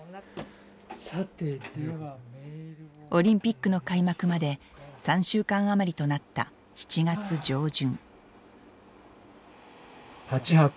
オリンピックの開幕まで３週間余りとなった７月上旬。